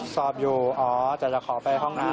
สอบอยู่อ๋อแต่จะขอไปห้องน้ำ